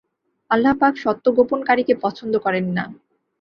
আল্লাহুপাক সত্য গোপনকারীকে পছন্দ করেন না।